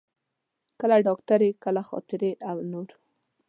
کله ډاکټري، کله خاطرې او نور.